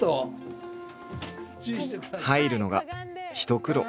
入るのが一苦労。